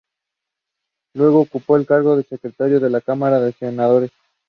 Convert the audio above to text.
Luego ocupó el cargo de Secretario de la Cámara de Senadores.